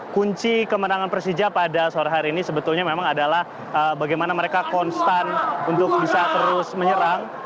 kunci kemenangan persija pada sore hari ini sebetulnya memang adalah bagaimana mereka konstan untuk bisa terus menyerang